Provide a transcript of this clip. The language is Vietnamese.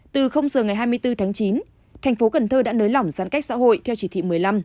từ giờ ngày hai mươi bốn tháng chín thành phố cần thơ đã nới lỏng giãn cách xã hội theo chỉ thị một mươi năm